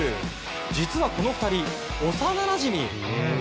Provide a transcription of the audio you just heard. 実はこの２人、幼なじみ。